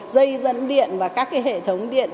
dây dẫn điện và các cái hệ thống điện